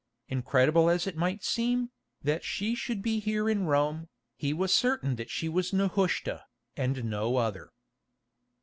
Incredible as it might seem, that she should be here in Rome, he was certain that she was Nehushta, and no other.